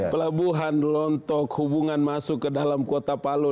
pelabuhan lontok hubungan masuk ke dalam kota palu